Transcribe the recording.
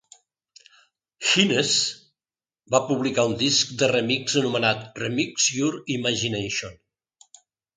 Hines van publicar un disc de remix anomenat "Remix Your Imagination".